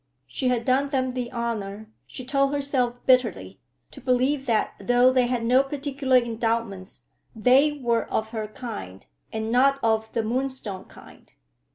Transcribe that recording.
She had done them the honor, she told herself bitterly, to believe that though they had no particular endowments, they were of her kind, and not of the Moonstone kind.